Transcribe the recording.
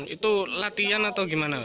itu latihan atau gimana